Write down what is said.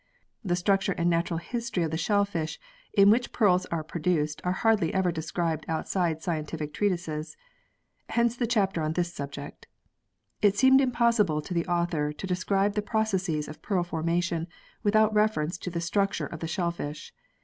The structure and natural history of the shell fish in which pearls are produced are hardly ever described outside scientific treatises ; hence the chapter on this subject. It seemed impossible, to the author, to describe the processes of pearl formation without reference to the structure of the shell fish.